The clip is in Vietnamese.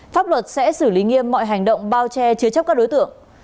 pháp luật sẽ xử lý nghiêm mọi hành động bao che chứa chấp các đối tượng